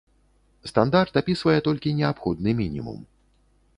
Стандарт апісвае толькі неабходны мінімум.